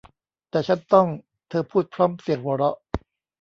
แต่ฉันต้อง เธอพูดพร้อมเสียงหัวเราะ